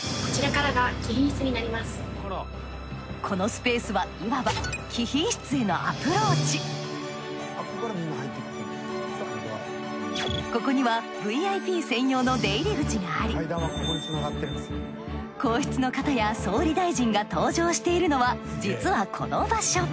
このスペースはいわばここにはＶＩＰ専用の出入口があり皇室の方や総理大臣が搭乗しているのは実はこの場所。